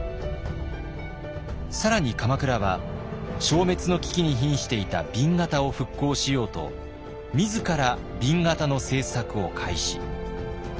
更に鎌倉は消滅の危機にひんしていた紅型を復興しようと自ら紅型の制作を開始。